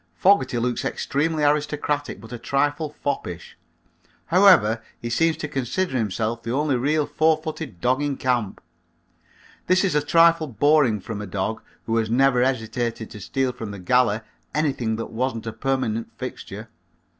Fogerty looks extremely aristocratic but a trifle foppish. However, he seems to consider himself the only real four footed dog in camp. This is a trifle boring from a dog who has never hesitated to steal from the galley anything that wasn't a permanent fixture.